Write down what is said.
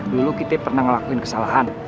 dulu kita pernah ngelakuin kesalahan